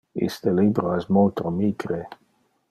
Iste libro es multo micre.